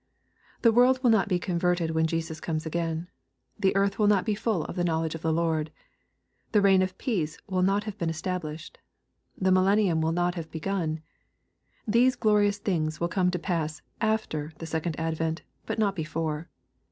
The world will not be converted when Jesus comes again. The earth will not be full of the knowledge of the Lord. The reign of peace will not have been established. The millennium will not have begun. These glorious things will come to pass after the second advent, but not before.